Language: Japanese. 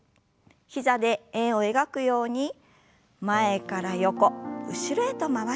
膝で円を描くように前から横後ろへと回しましょう。